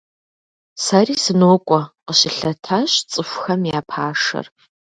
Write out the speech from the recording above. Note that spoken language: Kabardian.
Сэри сынокӀуэ, – къыщылъэтащ цӀыхухэм я пашэр.